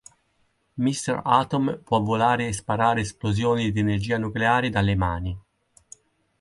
Mr. Atom può volare e sparare esplosioni di energia nucleare dalle mani.